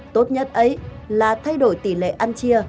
tốt nhất ấy là thay đổi tỷ lệ ăn chia